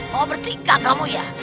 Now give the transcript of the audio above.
mau bertiga kamu ya